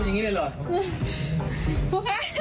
โอ้ยน่ารักน่ะ